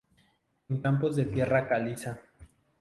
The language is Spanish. En campos de tierra caliza.